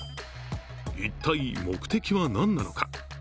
一体目的は何なのか。